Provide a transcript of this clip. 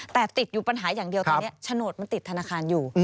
แต่ติดอยู่ปัญหาอย่างเดียวตอนนี้โฉนดมันติดธนาคารอยู่